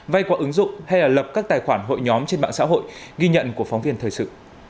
vay qua ứng dụng hay là lập các tài khoản hội nhóm trên mạng xã hội ghi nhận của phóng viên thời sự